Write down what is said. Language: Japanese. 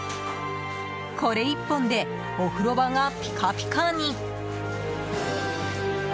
これ１本でお風呂場がピカピカに！